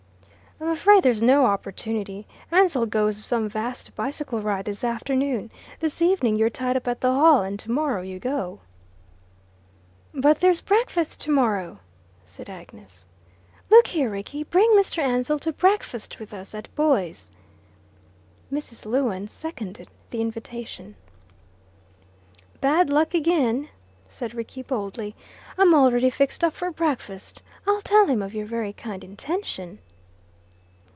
"I'm afraid there's no opportunity. Ansell goes some vast bicycle ride this afternoon; this evening you're tied up at the Hall; and tomorrow you go." "But there's breakfast tomorrow," said Agnes. "Look here, Rickie, bring Mr. Ansell to breakfast with us at Buoys." Mrs. Lewin seconded the invitation. "Bad luck again," said Rickie boldly; "I'm already fixed up for breakfast. I'll tell him of your very kind intention."